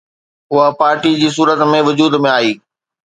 اها پارٽيءَ جي صورت ۾ وجود ۾ آئي